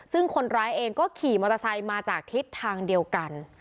ซึ่งคนร้ายเองก็ขี่มอเตอร์ไซค์มาจากทิศทางเดียวกัน